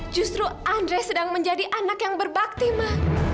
justru andres sedang menjadi anak yang berbakti ma